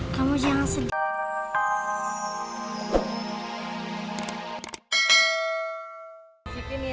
kamu jangan sedih